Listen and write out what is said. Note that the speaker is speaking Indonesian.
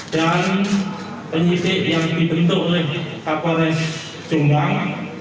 dan penyitik yang dibentuk oleh kapolres jombang